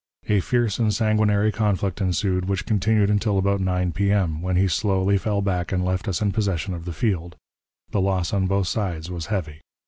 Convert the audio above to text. A fierce and sanguinary conflict ensued which continued until about 9 P.M., when he slowly fell back and left us in possession of the field, the loss on both sides was heavy.